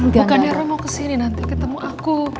bukannya roy mau kesini nanti ketemu aku